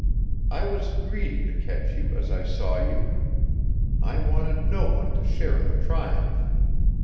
I was greedy to catch you as I saw you. I wanted no one to share the triumph.